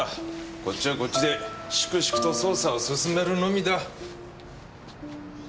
こっちはこっちで粛々と捜査を進めるのみだ。